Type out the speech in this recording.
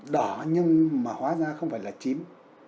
đỏ nhưng mà hóa ra không phải là chím